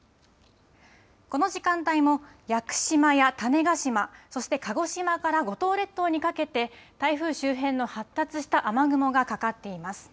この時間帯も屋久島や種子島、そして鹿児島から五島列島にかけて、台風周辺の発達した雨雲がかかっています。